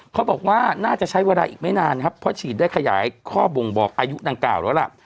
เขาบอกว่าน่าจะใช้เวลาอีกไม่นานครับเพราะฉีดได้ขยายข้อบ่งบอกอายุดังกล่าวแล้วล่ะ